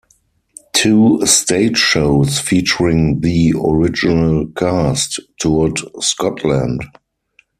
Two stage shows, featuring the original cast, toured Scotland.